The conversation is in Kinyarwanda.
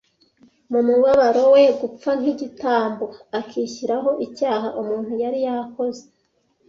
mu mubabaro we, gupfa nk’igitambo, akishyiraho icyaha umuntu yari yakoze,